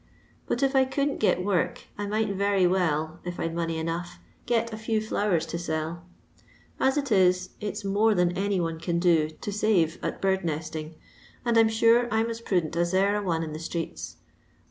But if I couldn't get work I might very well, if I'd money enough, get a few flowers to seU. As it is it '§ more than any one can do to save at bird netting, and I 'm sure I 'm at prudent at e*er a one in the streets.